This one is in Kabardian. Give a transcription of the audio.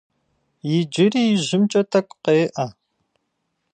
Иджыри ижьымкӏэ тӏэкӏу къеӏэ.